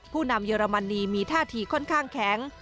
ผู้นำเยอรมนีมีท่าทีค่อนข้างแข็ง